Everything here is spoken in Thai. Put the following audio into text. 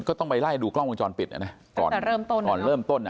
ก็ต้องไปไล่ดูกล้องวงจรปิดนะตอนเริ่มต้น